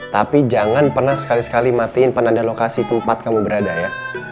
tapi jangan pernah sekali sekali matiin penanda lokasi tempat kamu berada ya